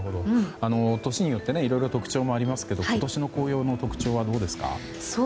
年によっていろいろ特徴がありますが今年の紅葉の特徴はどうですか？